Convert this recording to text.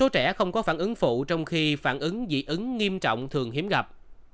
số trẻ không có phản ứng phụ trong khi phản ứng dị ứng nghiêm trọng thường hiếm gặp